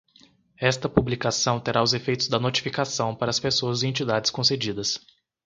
Esta publicação terá os efeitos da notificação para as pessoas e entidades concedidas.